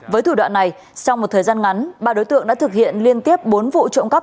với thủ đoạn này sau một thời gian ngắn ba đối tượng đã thực hiện liên tiếp bốn vụ trộm cắp